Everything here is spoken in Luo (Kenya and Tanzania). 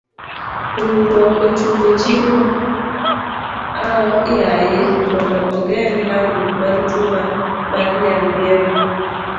Riwruok ochungo chiemo aoyaye mondo ogeng' landruok mar tuo mar nyal diema.